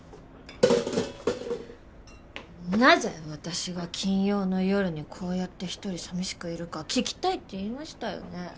なぜ私が金曜の夜にこうやって一人さみしくいるか聞きたいって言いましたよね？